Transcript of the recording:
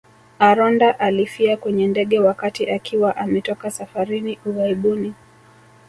Aronda alifia kwenye ndege wakati akiwa ametoka safarini ughaibuni